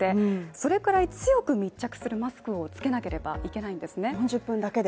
それくらい強く密着するマスクをつけなければいけないんですね。